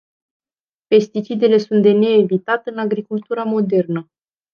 Pesticidele sunt de neevitat în agricultura modernă.